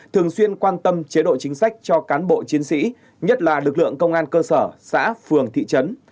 thường xuyên quan tâm chế độ chính sách cho cán bộ chiến sĩ nhất là lực lượng công an cơ sở xã phường thị trấn